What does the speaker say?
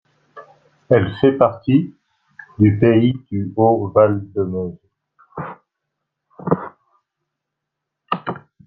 Elle fait partie du pays du Haut Val de Meuse.